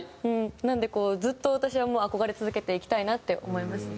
なのでずっと私はもう憧れ続けていきたいなって思いますね。